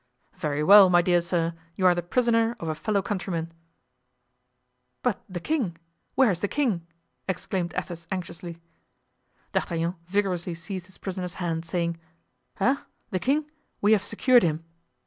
"Very well, my dear sir, you are the prisoner of a fellow countryman." "But the king—where is the king?" exclaimed Athos, anxiously. D'Artagnan vigorously seized his prisoner's hand, saying: "Eh! the king? We have secured him."